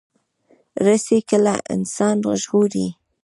رسۍ کله انسان ژغوري.